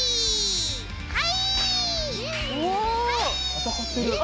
戦ってる。